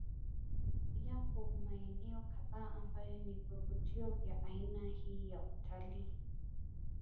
Yapo maeneo kadhaa ambayo ni vivutio vya aina hii ya Utalii